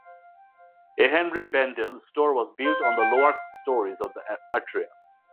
A Henri Bendel store was built on the lower stories of the atrium.